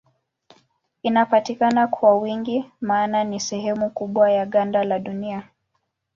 Inapatikana kwa wingi maana ni sehemu kubwa ya ganda la Dunia.